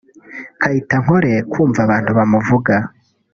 Kayitenkore kumva abantu bamuvuga